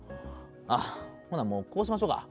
あ、ほなもうこうしましょか。